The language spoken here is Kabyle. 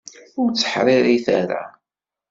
Ur tteḥṛiṛit ara!